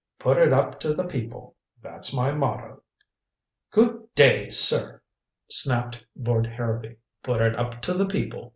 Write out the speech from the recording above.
Put it up to the people that's my motto." "Good day, sir," snapped Lord Harrowby. "Put it up to the people.